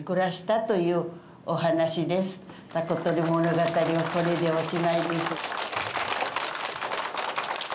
「たことりものがたり」はこれでおしまいです。